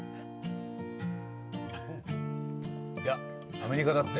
アメリカだって。